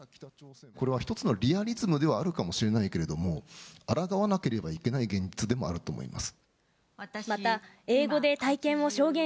これは一つのリアリズムではあるかもしれないけれども、あらがわなければいけない現実でもあると思います。